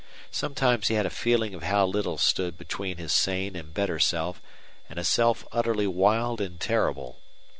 Sometimes he had a feeling of how little stood between his sane and better self and a self utterly wild and terrible.